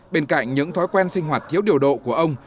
bên cạnh những thói quen sinh hoạt thiếu điều độ của ông